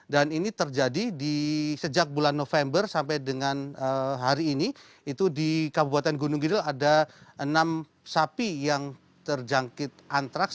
dan ini terjadi di sejak bulan november sampai dengan hari ini itu di kabupaten gunung kidul ada enam sapi yang terjangkit antraks